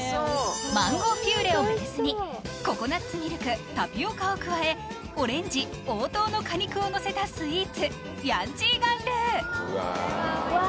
マンゴーピューレをベースにココナッツミルクタピオカを加えオレンジ黄桃の果肉をのせたスイーツ楊枝甘露うわ！